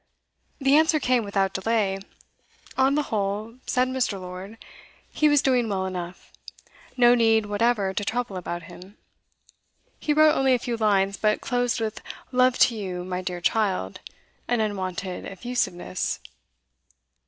The answer came without delay. On the whole, said Mr. Lord, he was doing well enough; no need whatever to trouble about him. He wrote only a few lines, but closed with 'love to you, my dear child,' an unwonted effusiveness.